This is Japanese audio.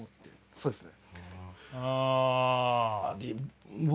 そうですね。